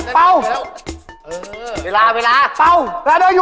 ไป